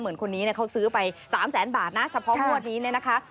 เหมือนคนนี้เขาซื้อไป๓แสนบาทนะเฉพาะพวกนี้นะคะ